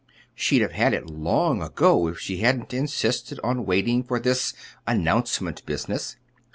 She'd have had it long ago if she hadn't insisted on waiting for this announcement business."